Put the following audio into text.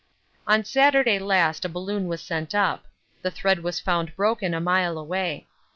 On Saturday last a balloon was sent up. The thread was found broken a mile away.